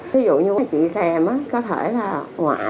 ví dụ như chị ràm có thể là ngoại